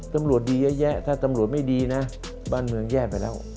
ตำรวจดีเยอะแยะถ้าตำรวจไม่ดีนะบ้านเมืองแย่ไปแล้ว